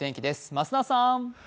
増田さん。